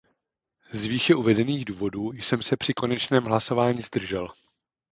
Z výše uvedených důvodů jsem se při konečném hlasování zdržel.